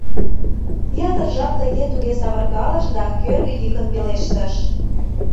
Ятыр жап тыге-туге савыркалыш да кӧргӧ йӱкын пелештыш: